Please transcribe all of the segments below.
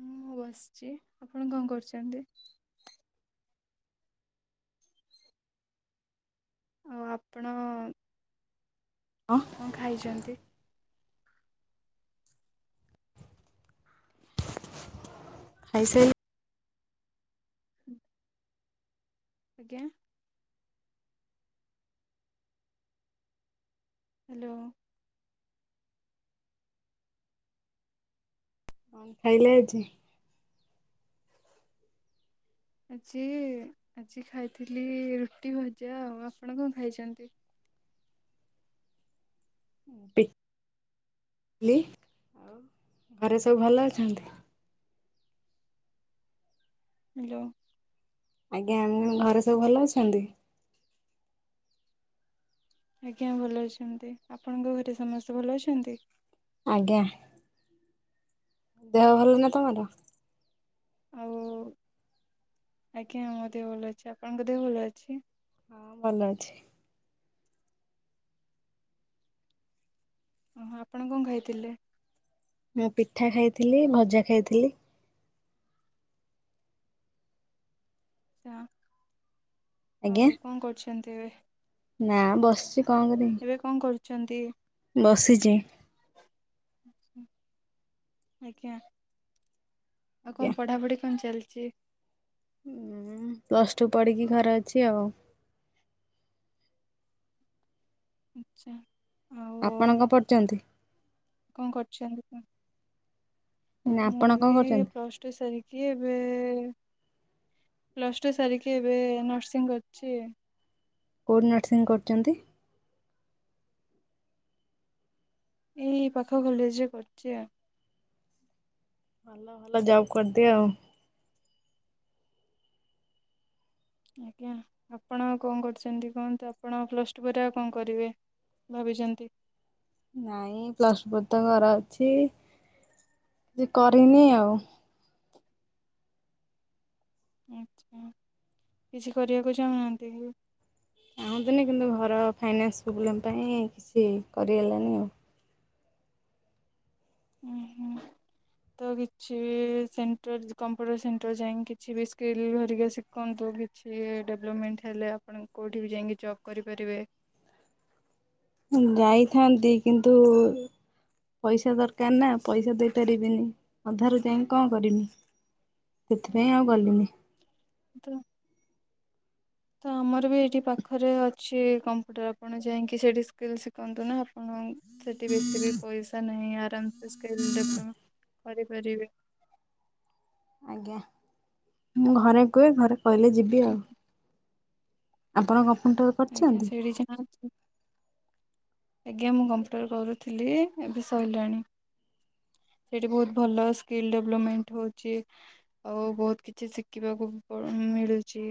ହଁ ମୁ ବସିଛି ଆପଣ କଣ କରୁଛନ୍ତି। ଆ ଆପଣ ହଁ କଣ ଖାଇଛନ୍ତି? ଆସ ଆଜ୍ଞା ହାଲୋ ହ ଖାଇଲେ ଅଛି। ଆଜି ଆଜି ଖାଇଥିଲି ରୁଟି ଭଜା ଆଉ ଆପଣ କଣ ଖାଇଛନ୍ତି। ଆଉ ଘରେ ସବୁ ଭଲ ଅଛନ୍ତି? ହାଲୋ ଆଜ୍ଞା ଆମ ଘରେ ସବୁ ଭଲ ଅଛନ୍ତି। ଆଜ୍ଞା ଭଲ ଅଛନ୍ତି ଆପଣଙ୍କ ଘରେ ସମସ୍ତେ ଭଲ ଅଛନ୍ତି। ଆଜ୍ଞା ଦେହ ଭଲ ନା ତମର ଆଉ ଆଜ୍ଞା ମତେ ଭଲ ଅଛି ଆପଣଙ୍କ ଭଲ ଅଛି। ହଁ ଭଲ ଅଛି। ଓହୋ ଆପଣ କଣ ଖାଇଥିଲେ? ମୁଁ ପିଠା ଖାଇଥିଲି ଭଜା ଖାଇଥିଲି। ସେ ଆଜ୍ଞା ହଉ କଣ କରୁଛି ଜଛନ୍ତି ନା ବସିଛି କାଙ୍ଗରେ ଅଛନ୍ତି। ବସିଛି। ଆଜ୍ଞା ଆଉ କଣ ପଢ଼ା ପଢ଼ି କଣ ଚାଲିଛି? ଚି? ଉଁ ପ୍ଲସ ଟୁ ପଢିକି ଘରେ ଅଛି ଆଉ। ଆଛା ଆପଣ କଣ ପଢ଼ିଛନ୍ତି? ହୁଁ। [inaudible] ମୁଁ କଣ ବି କରୁଛନ୍ତି? ପ୍ଲସ ଟୁ ସାରିକି ଏବେ ଏ ପ୍ଲସ ଟୁ ସାରିକି ଏବେ ନର୍ସିଂ କରୁଛି। କୋଉଠି ନର୍ସିଂ କରୁଛନ୍ତି? ଏଇ ପାଖ କଲେଜ ରେ କରୁଚି ଆଉ। ଭଲ ଭଲ ଜବ କରିଦିଅ ଆଜ୍ଞା, ଆପଣ କଣ କରୁଛନ୍ତି? କୁହନ୍ତୁ ଆପଣ ପ୍ଲସ୍ ଟୁ ପରେ ଆଉ କଣ କରିବେ ଭାବିଛନ୍ତି? ନାଇଁ ପ୍ଲସ ବ୍ରତ ଘର ଅଛି, ଯେ କରିନି ଆଉ। ଆଚ୍ଛା, କିଛି କରିବାକୁ ଚାହୁଁନାହାଁନ୍ତି କି? ଚାହୁଁଥିଲି କିନ୍ତୁ ଘର ଫାଇନାନ୍ସ ପ୍ରୋବ୍ଲେମ ଟା ହିଁ ସେ କରି ହେଲାନି ଆଉ। ଓହୋ ତ କିଛି ବି ସେଣ୍ଟର କମ୍ପ୍ୟୁଟର ସେଣ୍ଟର ଯାଇ କିଛି ବି ସ୍କିଲ୍ ହେରିକା ଶିଖନ୍ତୁ, କିଛି ଡେଭଲପମେଣ୍ଟ ହେଲେ ଆପଣ କୋଉଠି ବି ଯାଇକି ଜବ୍ କରିପାରିବେ। ଯାଇଥାନ୍ତି କିନ୍ତୁ ପଇସା ଦରକାର ନା ପଇସା ଦେଇ ପାରିବିନି ଅଧାରୁ ଯାଇ କଣ କରିବି ଏଥିପାଇଁ ଆଉ ଗଲିନି। ତ ତ ଆମର ବି ଏଇଠି ପାଖରେ ଅଛି କମ୍ପ୍ୟୁଟର ଆପଣ ଯାଇକି ସେଠି ସ୍କିଲ୍ ଶିଖନ୍ତୁ ନା ଆପଣ ସେଠି ବେଶୀ ବି ପଇସା ନାହିଁ ଆରାମ ସେ ସ୍କିଲ୍ ଡେଭଲପମେଣ୍ଟ କରିପାରିବେ। ଆଜ୍ଞା ମୁଁ ଘରେ କୁହେ ଘରେ କହିଲେ ଯିବି ଆଉ। ଆପଣ କଣ ଆଜ୍ଞା ସେଇଠି ଯାଆନ୍ତୁ ଆଜ୍ଞା ମୁଁ କମ୍ପ୍ୟୁଟର କରୁଥିଲି ଏବେ ସରିଲାଣି, ସେଠି ବହୁତ ଭଲ ସ୍କିଲ୍ ଡେଭଲପମେଣ୍ଟ ହଉଛି ଆଉ ବହୁତ କିଛି ଶିଖିବାକୁ ମିଳୁଛି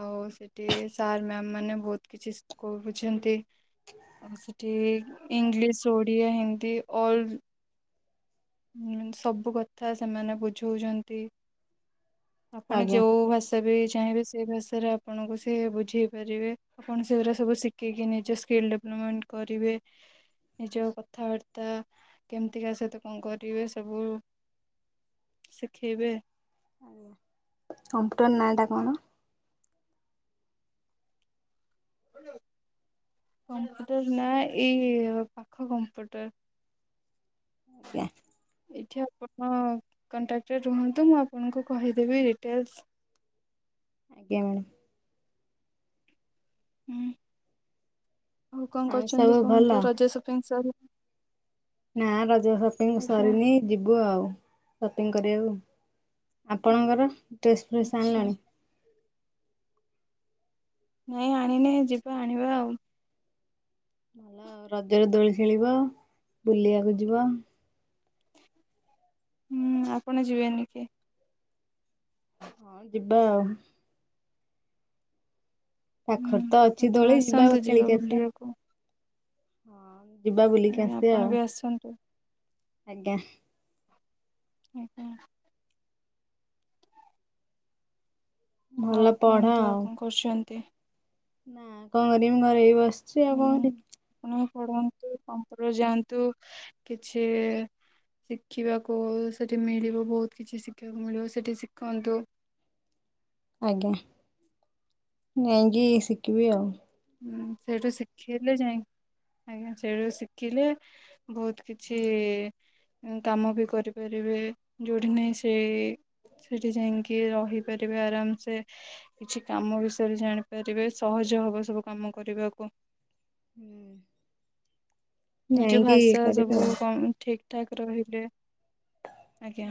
ଆଉ ସେଠି ସାର୍ ମ୍ୟାମ୍ ମାନେ ବହୁତ କିଛି ଶିଖାଉଛନ୍ତି ଆଉ ସେଠି ଇଂଲିଶ ଓଡିଆ ହିନ୍ଦୀ ଅଲ ମାନେ ସବୁ କଥା ସେମାନେ ବୁଝଉଛନ୍ତି। ଆପଣ ଆଜ୍ଞା ଯୋଉ ଭାଷା ବି ଚାହିଁବେ ସେ ଭାଷାରେ ଆପଣଙ୍କୁ ସିଏ ବୁଝେଇ ପାରିବେ ଆପଣ ସେଗୁରା ସବୁ ଶିଖିକି ନିଜ ସ୍କିଲ୍ ଡେଭଲପମେଣ୍ଟ କରିବେ ନିଜ କଥାବାର୍ତ୍ତା କେମତି କା ସହିତ କଣ କରିବେ ସବୁ ଶିଖେଇବେ ଆଜ୍ଞା, କୋମ୍ପ୍ୟୁଟର ନାଁ ଟା କଣ? କୋମ୍ପ୍ୟୁଟର ନା ଏଇ ପାଖ କୋମ୍ପ୍ୟୁଟର ଆଜ୍ଞା। ଏଇଠି ଆପଣ କଣ୍ଟାକ୍ଟରେ ରୁହନ୍ତୁ ମୁଁ ଆପଣଙ୍କୁ କହିଦେବି ଡିଟେଲସ, ଆଜ୍ଞା ମ୍ୟାଡ଼ାମ। ହୁଁ ଆଉ କଣ କରୁଛନ୍ତି ସବୁ ଭଲ? କୁହନ୍ତୁ ରଜ ଶପିଂ ସରିଲା? ନା ରଜ ଶପିଂ ଆଜ୍ଞା। ସରିନି ଯିବୁ ଆଉ। ଶପିଂ କରିବାକୁ ଆପଣଙ୍କର ଡ୍ରେସ ଫ୍ରେସ ଆଚ୍ଛା ଆଣିଲଣି? ନାଇଁ ଆଣିନି ଯିବା ଆଣିବା ଆଉ। ଭଲ ରଜରେ ଦୋଳି ଖେଳିବ ବୁଲିବାକୁ ଯିବ, ହୁଁ ଆପଣ ଯିବେନି କି? ହଁ ଯିବା ଆଉ ହୁଁ ପାଖର ତ ଅଛି ଆପଣ ଦୋଳି ଯିବା ଆସନ୍ତୁ ଖେଳିକି ଆସିବା ବୁଲିବାକୁ ହଁ ଯିବା ବୁଲିକି ଆଜ୍ଞା ଆସିଵା ଆପଣ ଆଉ ବି ଆସନ୍ତୁ ଆଜ୍ଞା। ଆଜ୍ଞା। ଭଲ ଆଉ ପଢ କୁହନ୍ତୁ ଆଉ କଣ କରୁଛନ୍ତି। ନା କଣ କରିବି [unintelligible] ଆଛା [unintelligible] ପଢ଼ନ୍ତୁ [unintelligible] ଯାଆନ୍ତୁ, କିଛି ଶିଖିବାକୁ ସେଠି ମିଳିବ ବହୁତ କିଛି ଶିଖିବାକୁ ମିଳିବ ସେଠି ଶିଖନ୍ତୁ। ଆଜ୍ଞା ଯାଇକି ଶିଖିବି ଆଉ। ଉଁ ସେଇଠୁ ଶିଖିଲେ ଯାଇ ଆଜ୍ଞା ସେଇଠୁ ଶିଖିଲେ ବହୁତ କିଛି କାମ ବି କରିପାରିବେ ଯୋଉଠି ନାଇଁ ସେଇ ସେଇଠି ଯାଇକି ରହିପାରିବେ ଆରାମସେ କିଛି କାମ ବିଷୟରେ ଜାଣିପାରିବେ ସହଜ ହବ ସବୁ। କାମ କରିବାକୁ। ହୁଁ ନିଜ ଭାଷା ସବୁ ଆଉ କମ ଠିକ୍। ଠାକ୍ ରହିଲେ ଆଜ୍ଞା।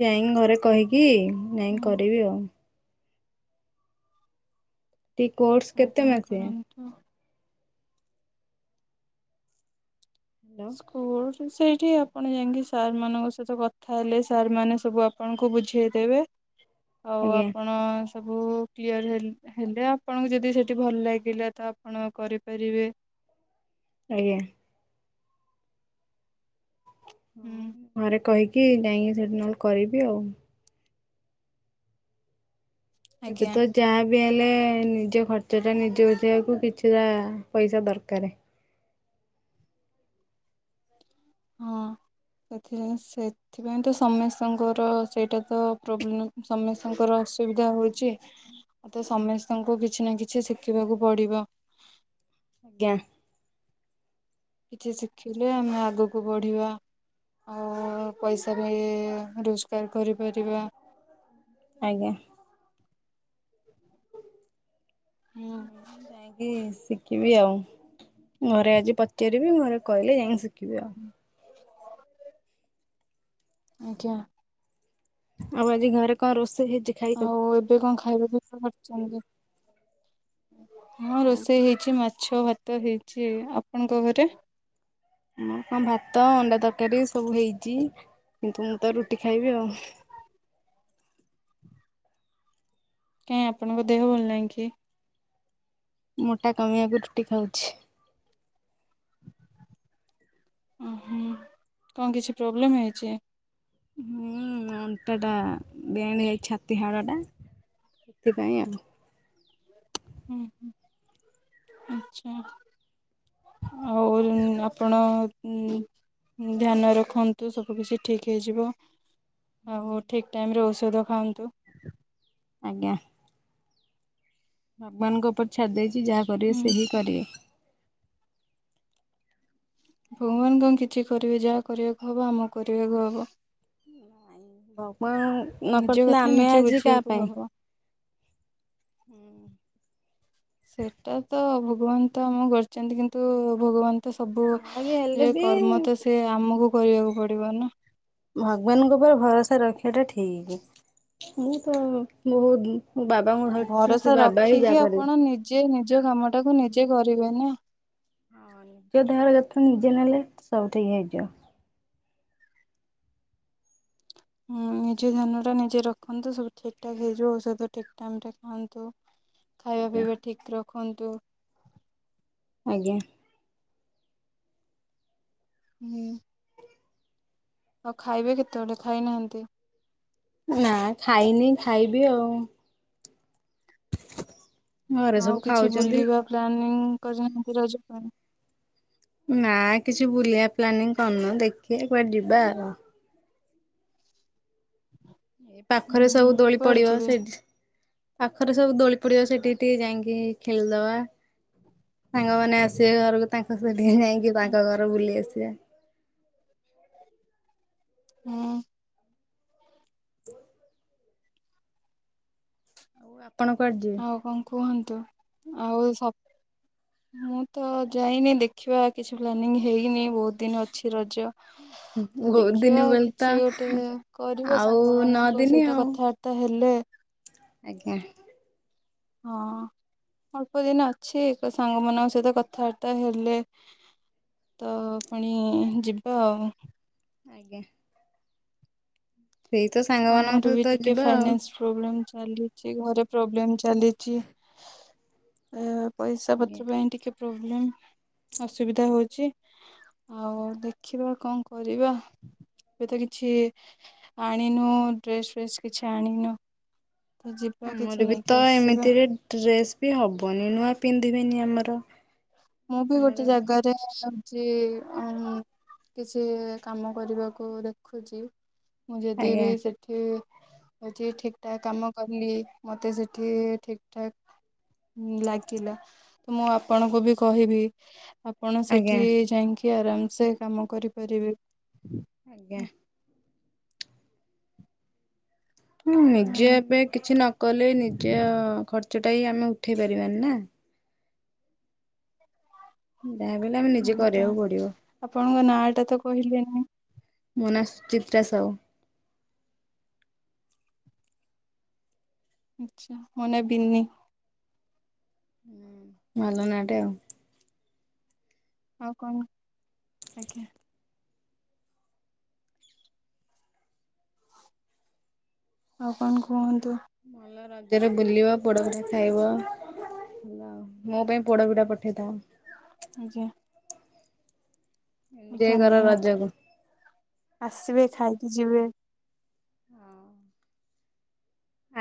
ଯାଇ ଘରେ କହିକି ନାଇଁ ହୁଁ କରିବି ଆଉ ଟି କୋର୍ସ କେତେ ଆଜ୍ଞା ମାସିଆ? କରନ୍ତୁ। ହ୍ୟାଲୋ ସ୍କୁଲ୍ ସେଇଠି ଆପଣ ଯାଇକି ସାରମାନଙ୍କ ସହିତ କଥାହେଲେ ସାରମାନେ ସବୁ ଆପଣଙ୍କୁ ବୁଝେଇ ଦେେବେ। ଆଉ ଆଜ୍ଞା ଆପଣ ସବୁଉଉ କ୍ଲିଅର ହେଲ୍ ହେଲେ ଆପଣଙ୍କୁ ଯଦି ସେଠି ଭଲ ଲାଗିଲା ତ ଆପଣ କରିପାରିବେ। ଆଜ୍ଞା। ହଁ ହୁଁ ମୁଁ ଘରେ କହି କି ନାଇଁ ସେଠି ନହେଲେ କରିବି ଆଉ ଏବେ ଆଜ୍ଞା ତ ଯାହା ବି ଆ ଲେ ନିଜ ଖର୍ଚ୍ଚଟା ନିଜେ ଉଠେଇବାକୁ କିଛିଟା ପଇସା ଦରକାର। ହଁ ସେଥିଲାଗି ସେଥିପାଇଁ ତ ସମସ୍ତଙ୍କର ସେଇଟା ତ ପ୍ରୋବ୍ଲେମ୍ ସମସ୍ତଙ୍କର ଅସୁବିଧା ହଉଛି ଆଉତ ସମସ୍ତଙ୍କୁ କିଛି ନା କିଛି ଶିଖିବାକୁ ପଡିବ। ଆଜ୍ଞା। କିଛି ଶିଖିଲେ ଆମେ ଆଗକୁ ବଢିବା, ଆଉ ପଇସା ବି ରୋଜଗାର କରିପାରିବା। ଆଜ୍ଞା। ହୁଁ ଯାଇଁକି ଶିଖ୍ ଶିଖିବି ଆଉ, ଘରେ ଆଜି ପଚାରିବି ଘରେ କହିଲେ ଯାଇକିି ଶିଖ୍ [unintelligible] ଆଜ୍ଞା। ଆଉ ଆଜି ଘରେ କଣ ରୋଷେଇ ହେ ଆଉ ଏବେ କଣ ଖାଇବା ପିଇବା କରିଛନ୍ତି? ହଁ ରୋଷେଇ ହେଇଛି ମାଛ ମାଛ ଭାତ ହେଇଛି। ଆପଣଙ୍କ ଘରେ? ହଁ କଣ ଭାତ ଅଣ୍ଡା ତରକାରୀ ସବୁ ହେଇଛି କିନ୍ତୁ ମୁଁ ତ ରୁଟି ଖାଇବି ଆଉ। କାଇହିଁ ଆପଣଙ୍କ ଦେହ ଭଲ ନାହିଁ କି? ମୋଟା କମିବାକୁ ରୁଟି ଖାଉଛି। ଓହୋ କଣ କିଛି ପ୍ରୋବ୍ଲେମ ହେଇଛି। ହୁଁ ଅଣ୍ଟା ଟା ବେଣ ଯାଇଛି ଛାତିୀ ହାଡ଼ ଟା ସେଥିପାଇଁ ଆଉ। ହୁଁ ହୁଁ ଆଚ୍ଛା ଆଉ ଆପଣ ଧ୍ୟାନ ରଖନ୍ତୁ ସବୁ କିଛି ଠିକ ହେଇଯିବ। ହ ହୋ ଠିକ ଟାଇମ ରେ ରହୁଛି ସୁଧ ଖାଆନ୍ତୁ। ଆଜ୍ଞା। ଭଗବାନଙ୍କ ଉପର ଛାଡ ଦେଇ ଯାହା କରିବେ ହୁଁ ସେ ହିଁ କରିବେ। ଭଗବାନ କଣ କିଛି କରିବେ ଯାହା କରିବାକୁ ହବ ଆମ କରିବାକୁ ହବ। ମୁଁ ନିଜ ନକଥିଲ କଥା ଆମେ ନିଜେ ଆଜି କାହା ବୁଝିବାକୁ ପାଇଁ ହବ। ସେଟା ତ ଭଗବାନ ତ ଆମ କରିଛନ୍ତି କିନ୍ତୁ ଭଗବାନ ତ ସବୁ ଯାହା ବି ହେଲେ ରେ ବି କର୍ମ ତ ସେ ଆମକୁ କରିବାକୁ ପଡିବ ନା ଭଗବାନଙ୍କ ଉପରେ ଭରସା ରଖିବା ଟା ଠିକ। ମୁଁ ତ ବହୁତ ମୋ ବାବାଙ୍କୁ ଧରିଛି ସେ ଭରସା ବାବା ହିଁ ଯାହା ରଖିକି କରିବେ। ଆପଣ ନିଜେ ନିଜ କାମ ଟାକୁ ନି ନିଜେ କରିବେ ନା। ହଁ ନିଜ ଦେହ କଥା ନିଜେ ନେଲେ ସବୁ ଠିକ ହେଇଯିବ। ନିଜେ ଧ୍ୟାନ ଟା ନିଜେ ରଖନ୍ତୁ ସବୁ ଠିକ ଠା ହେଇଯିବ ଔଷଧ ଠିକ ଟାଇମ ରେ ଖାଆନ୍ତୁ। ଖାଇବା ଆଜ୍ଞା ପିଇବା ଠିକ୍ ରହ ଦେଖନ୍ତୁ। ଆଜ୍ଞା। ହୁଁ ଆଉ ଖାଇବେ କେତେବେଳେେ ଖାଇନାହାନ୍ତି ନା ଖାଇନି ଖାଇବି ଆଉ। ଘରେ ଆଉ ସବୁ କିଛି ଖାଉଛନ୍ତି। ବୁଲିବା ପ୍ଲାନିଂ କରିନାହାନ୍ତି ରଜ ପାଇଁ ନା କିଛି ବୁଲିବା ପ୍ଲାନିଂ କରନୁ ଦେଖିାର ଯିବା ଆ ଏ ହୁଁ ପାଖରେ ସବୁ ହୁଁ ଦୋଳି କୁଆଡେ ପଡିବ ଯିବେ? ସେଠି ପାଖରେ ସବୁ ଦୋଳି ପଡିବ ସେଠି ଟିକେ ଯାଇକି ଖେଳିଦେବା ସାଙ୍ଗମାନେନ ଆସିବେ ଘରକୁ ତାଙ୍କ ସହିତ ଯାଇକି ବାଙ୍କ ଘର ବୁଲି ଆସିବା। [inaudible] ହଁ ହ [inaudible] ଓଉ [inaudible] ଆଉ କଣ କୁହନ୍ତୁ। ଆଉ ସପ୍ ମୁଁ ତ ଯାଇନି ଦେଖିବା କିଛି ପ୍ଲାନିଂ ହେଇନି ବହୁତ ଦିନ ଅଛି। ରଜ ତ ବହୁତ ଦିନ ଦେଖିବା ବୋଲି ତ କିଛି ଗୋଟେ ଏ କରିବା ଆଉ ସାଙ୍ଗ ନଅ ମାନଙ୍କ ଦିନି ସହିତ ଆଉ କଥାବାର୍ତ୍ତା ହେଲେ ଆଜ୍ଞା ହଁ ଅଳ୍ପ ଦିନ ଅଛି ଏକ ସାଙ୍ଗ ମାନଙ୍କ ସହିତ କଥାବାର୍ତ୍ତା ହେଲେ ତ ପୁଣି ଯିବା ଆଉ। ଆଜ୍ଞା ସେଇ ତ ସାଙ୍ଗମାନାନଙ୍କ ଆମର ବି ସହିତ ଟିକେ ଯିବା ଆଉ। ଫାଇନାନ୍ସ ପ୍ରୋବ୍ଲେମ୍ ଚାଲିଛି ଘରେ ପ୍ରୋବ୍ଲେମେ ଚାଲିଚି। ପଇସା ଆଜ୍ଞା। ପତ୍ର ପାଇଁ ଟିକେ ପ୍ ପ୍ରୋବ୍ଲେମ ଅସୁବିଧା ହଉଛି ଆଉ ଦେଖିବା କଣ କରିବା ଏବେ ତ କିଛି ଆ ଆଣିନୁ ଡ୍ରେସ ଫେସ୍ କିଛି ଆଣିନୁ। ତ ଯିବା କିଛି ଆମର ବି ନେଇକି ତ ଆସିବା ଏମିତିରେ ଡ୍ରେସ ବି ହବନି ନୂଆ ପିନ୍ଧ୍ ଦେବେନି ଆମର ମୁଁ ବି ଆମର ଗୋଟେ ଜାଗାରେ ଚି କିଛି କାମ କରିବାକୁ ଦେଖୁଚି। ମୁଁ ଯଦି ଆଜ୍ଞା ବିି ସେଠି ଇ ହଉଛି ଠିକ ଠାକ କାମ କଲି ମତେ ସେଠି ଠିକ ଠାକ? ଲାଗିଲା ତ ମୁଁ ଆପଣଙ୍କୁ ବି କହିବି? ଆପଣ ଆଜ୍ଞା ସେଠି ଯାଇଙ୍କୀ କି ଆରାମସେ କାମ କରିପାରିବେ। ଆଜ୍ଞା ହୁଁ ହଁ ନିଜେ ଏବେ କିଛି ନ କଲେ ନିଜେ ଆ ଚଟାଇ ଆମେ ଉଠେଇ ପାରିବାନି ନା? ହୁଁ ଯାହା ବି ହେଲେ ଆମେ ନିଜେ ଆଜ୍ଞା କରିବାକୁ ପଡିବ। ଆପଣଙ୍କ ନାଁ ଟା ତ କହିଲେ ନି? ମୋ ନା ସୁଚିତ୍ରା ସାହୁ। ଆଛା ମୋ ନା ବିିନି। ହଁ ଭଲ ନା ଟେ ଆଉ। ଆଉ କଣ ଆଜ୍ଞା ଆଉ କଣ କୁହନ୍ତୁ। ଭଲ ରଜରେ ବୁଲିବ ପୋଡପଠା ଖାଇବ ଭଲ ଆଉ [inaudible] ମୋ ପାଇଁ ପୋଡ ପିଡା ପଠେଇଦ ଯେ ଏଞୟ କର ନିହାତି ରଜକୁ। ଆସିବେ ଖାଇକି ଯିବେ।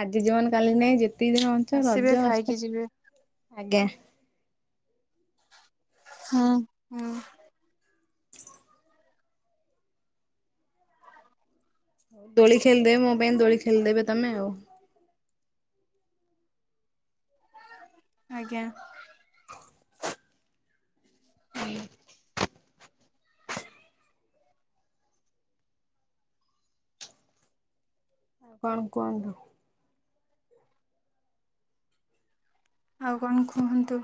ଆଜି ଜୀବନ କାଲି ନାଇଁ ଯେତେ। ଯେତିିକି ଦିନ ବଞ୍ଚିବା ଆସିବେ ରଜ ଖାଇକି ଯିବେ। ମସ୍ତି। ହଁ ହଁ ଦୋଳି ଖେଳିଦେବେ ମୋ ପାଇଁ ଦୋଳି ଖେଳିଦେବେ ତମେ ଆଉ ଆଜ୍ଞା ଆଉ କଣ କୁହନ୍ତୁ ଆଉ କଣ କୁହନ୍ତୁ